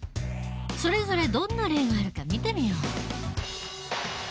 それぞれどんな例があるか見てみよう。